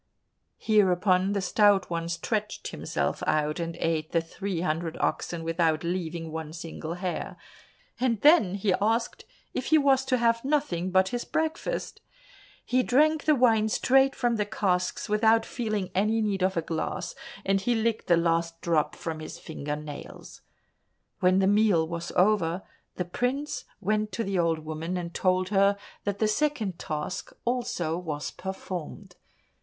Hereupon the Stout One stretched himself out and ate the three hundred oxen without leaving one single hair, and then he asked if he was to have nothing but his breakfast. He drank the wine straight from the casks without feeling any need of a glass, and he licked the last drop from his finger nails. When the meal was over, the prince went to the old woman, and told her that the second task also was performed.